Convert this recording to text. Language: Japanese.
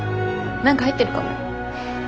何か入ってるかもよ。